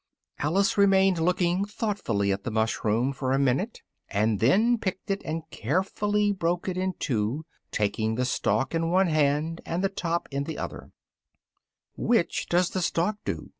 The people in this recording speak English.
Alice remained looking thoughtfully at the mushroom for a minute, and then picked it and carefully broke it in two, taking the stalk in one hand, and the top in the other. "Which does the stalk do?"